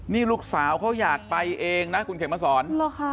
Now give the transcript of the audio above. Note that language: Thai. นี่ลูกสาวเขาอยากไปเองนะคุณเขมศร